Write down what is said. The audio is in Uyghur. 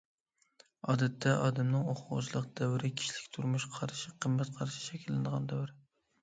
ئادەتتە، ئادەمنىڭ ئوقۇغۇچىلىق دەۋرى كىشىلىك تۇرمۇش قارىشى، قىممەت قارىشى شەكىللىنىدىغان دەۋر.